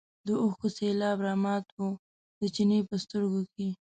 د اوښکو سېلاب رامات و د چیني په سترګو کې.